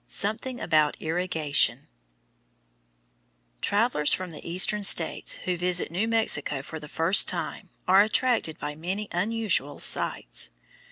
SOMETHING ABOUT IRRIGATION Travellers from the Eastern States who visit New Mexico for the first time are attracted by many unusual sights.